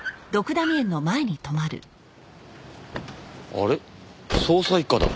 あれ捜査一課だ。